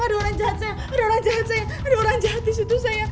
ada orang jahat sayang ada orang jahat disitu sayang